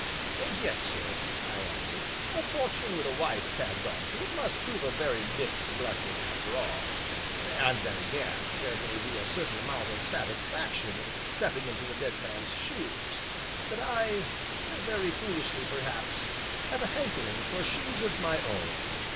"And yet, sir," I answered, "a fortune with a wife tagged on to it must prove a very mixed blessing after all; and then again, there may be a certain amount of satisfaction in stepping into a dead man's shoes, but I, very foolishly, perhaps, have a hankering for shoes of my own.